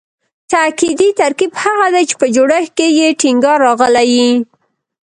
تاکیدي ترکیب هغه دﺉ، چي په جوړښت کښي ئې ټینګار راغلی یي.